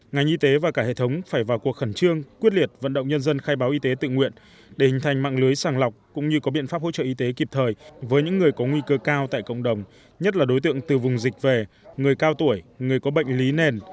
ngành y tế và cả hệ thống phải vào cuộc khẩn trương quyết liệt vận động nhân dân khai báo y tế tự nguyện để hình thành mạng lưới sàng lọc cũng như có biện pháp hỗ trợ y tế kịp thời với những người có nguy cơ cao tại cộng đồng nhất là đối tượng từ vùng dịch về người cao tuổi người có bệnh lý nền